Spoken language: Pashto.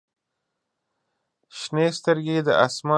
• شنې سترګې د آسمان رنګ سره مشابه دي.